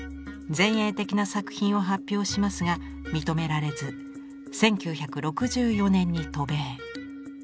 前衛的な作品を発表しますが認められず１９６４年に渡米。